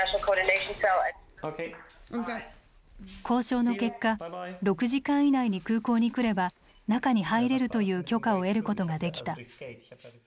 交渉の結果６時間以内に空港に来れば中に入れるという許可を得ることができた。